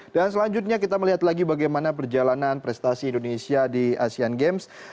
dan selanjutnya kita melihat lagi bagaimana perjalanan prestasi indonesia di asian games